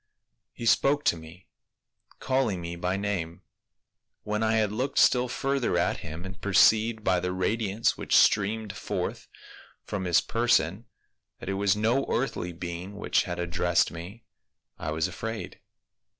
He spoke to me, calling me by name ; when I had looked still further at him and perceived by the radiance which streamed forth from his person that it was no earthly being which had addressed me, I was afraid.